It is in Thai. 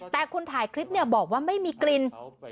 แต่คนถ่ายคลิปเนี่ยบอกว่าไม่มีกลิ่น